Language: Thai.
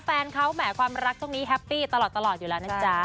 แฟนเขาแหมความรักช่วงนี้แฮปปี้ตลอดอยู่แล้วนะจ๊ะ